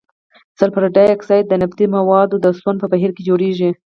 سلفر ډای اکساید د نفتي موادو د سون په بهیر کې جوړیږي.